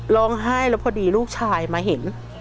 ร้องไห้แล้วพอดีลูกชายมาเห็น